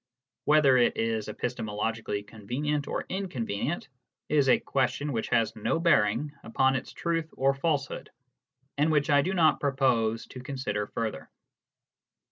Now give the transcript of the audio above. Whether it is epistemologically convenient or inconvenient is a question which has no bearing upon its truth or falsehood, and which I do not propose to consider further.